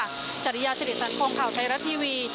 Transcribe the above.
มั่วตามปกติแล้วค่ะจริยาสถิตย์สังคมข่าวไทยรัฐทีวี